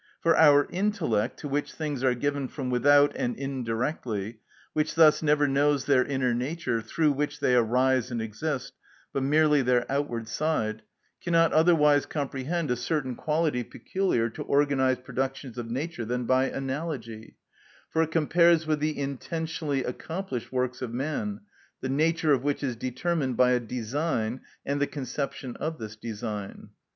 For our intellect, to which things are given from without and indirectly, which thus never knows their inner nature through which they arise and exist, but merely their outward side, cannot otherwise comprehend a certain quality peculiar to organised productions of nature than by analogy, for it compares it with the intentionally accomplished works of man, the nature of which is determined by a design and the conception of this design.